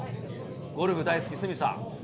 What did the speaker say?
ゴルフ大好き、鷲見さん。